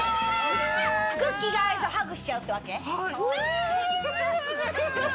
クッキーがアイスとハグしちゃうってわけ？